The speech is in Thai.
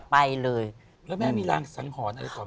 ไปเลยแล้วแม่มีลักษณ์ห่อนอะไรก่อน